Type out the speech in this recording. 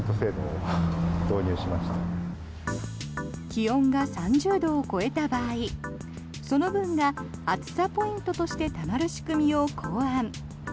気温が３０度を超えた場合その分が暑さポイントとしてたまる仕組みを考案。